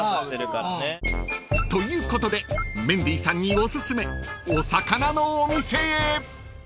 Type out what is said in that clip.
［ということでメンディーさんにおすすめお魚のお店へ］